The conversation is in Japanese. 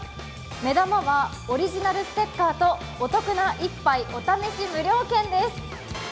目玉はオリジナルステッカーとお得な一杯お試し無料券です。